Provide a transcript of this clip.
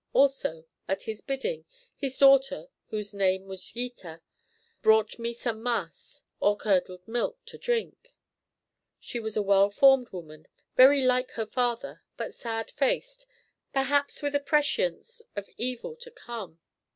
Also, at his bidding, his daughter, whose name was Gita, brought me some maas, or curdled milk, to drink. She was a well formed woman, very like her father, but sad faced, perhaps with a prescience of evil to come.